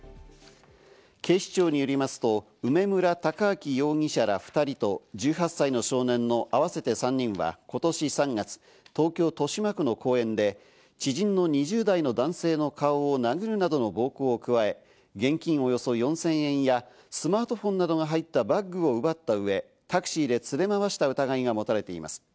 警視庁によりますと、梅村太章容疑者ら２人と１８歳の少年の合わせて３人は、今年３月、東京・豊島区の公園で知人の２０代の男性の顔を殴るなどの暴行を加え、現金およそ４０００円やスマートフォンなどが入ったバッグを奪ったうえ、タクシーで連れ回した疑いが持たれています。